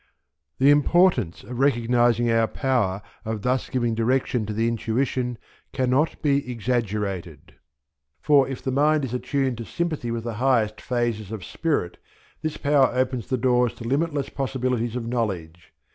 The importance of recognizing our power of thus giving direction to the intuition cannot be exaggerated, for if the mind is attuned to sympathy with the highest phases of spirit this power opens the door to limitless possibilities of knowledge.